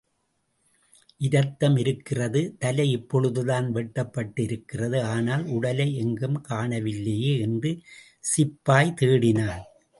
இரத்தம் இருக்கிறது தலை இப்பொழுதுதான் வெட்டப்பட்டிருக்கிறது ஆனால், உடலை எங்கும் காணவில்லையே என்று சிப்பாய் தேடினான்.